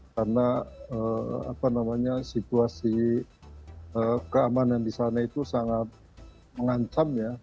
karena situasi keamanan di sana itu sangat mengancam